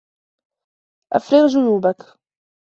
أفرغ جيوبك